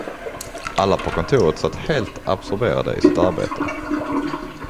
Alla på kontoret satt helt absorberade i sitt arbete.